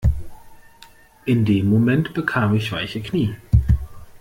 In dem Moment bekam ich weiche Knie.